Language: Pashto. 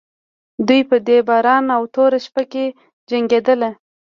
دوی په دې باران او توره شپه کې جنګېدل.